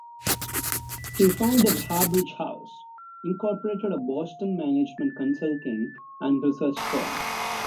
He founded Harbridge House, Incorporated a Boston management consulting and research firm.